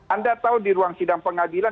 anda tahu di ruang sidang pengadilan